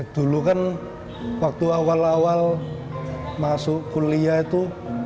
dulu kan waktu awal awal masuk kuliah itu